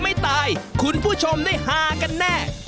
อันนี้หาไหมหาไหม